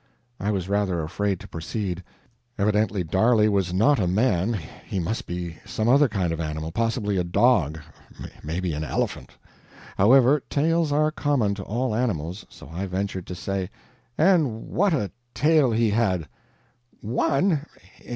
I was rather afraid to proceed. Evidently Darley was not a man he must be some other kind of animal possibly a dog, maybe an elephant. However, tails are common to all animals, so I ventured to say: "And what a tail he had!" "ONE!